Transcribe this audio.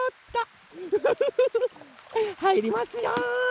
はいりますよ！